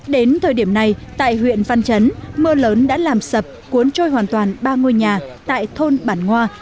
đến thời điểm này tại huyện văn chấn mưa lớn đã làm sập cuốn trôi hoàn toàn ba ngôi nhà tại thôn bản ngoa